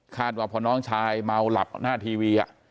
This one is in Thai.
ว่าพอน้องชายเมาหลับหน้าทีวี